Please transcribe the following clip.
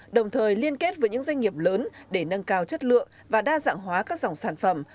đồng thời liên kết với những doanh nghiệp lớn để nâng cao chất lượng và đa dạng hóa các dòng sản phẩm